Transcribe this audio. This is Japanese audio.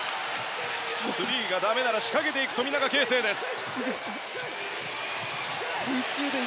スリーがだめなら仕掛けていく富永啓生です。